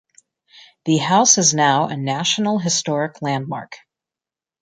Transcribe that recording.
The house is now a National Historic Landmark.